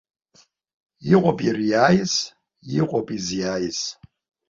Иҟоуп ириааиз, иҟоуп изиааиз.